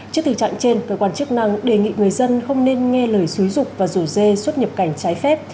trước tình trạng trên cơ quan chức năng đề nghị người dân không nên nghe lời xúi rục và rủ dê xuất nhập cảnh trái phép